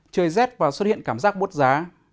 trời rét và xuất hiện cảm giác bốt giá